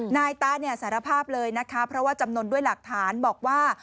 นายตะเนี่ยสารภาพเลยนะคะเพราะว่าจำนวนด้วยหลักฐานบอกว่า